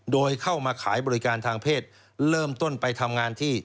โดยเข้ามาขายบริการทางเพศเริ่มต้นไปทำงานที่